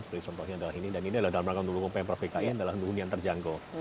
seperti contohnya adalah ini dan ini adalah dalam rangka mendukung pemprov dki adalah hunian terjangkau